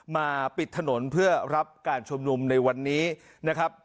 มาปิดถนนเพื่อรับการชุมนุมในวันนี้นะครับ